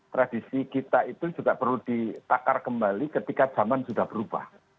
tradisi kita itu juga perlu ditakar kembali ketika zaman sudah berubah